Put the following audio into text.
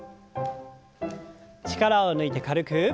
力を抜いて軽く。